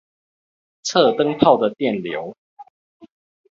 測燈泡的電流